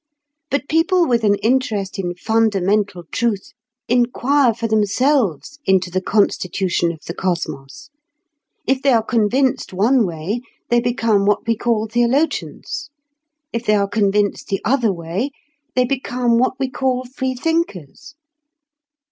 But people with an interest in fundamental truth inquire for themselves into the constitution of the cosmos; if they are convinced one way, they become what we call theologians; if they are convinced the other way, they become what we call free thinkers.